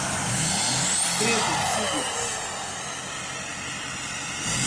Treze Tílias